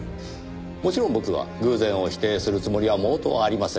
もちろん僕は偶然を否定するつもりは毛頭ありません。